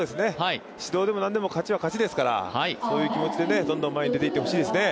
指導でも何でも勝ちは勝ちですからそういう気持ちでどんどん前に出ていってほしいですね。